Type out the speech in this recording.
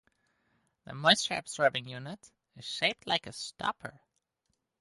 The moisture-absorbing unit is shaped like a stopper.